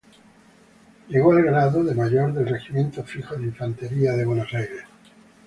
Llegó al grado de mayor del Regimiento Fijo de Infantería de Buenos Aires.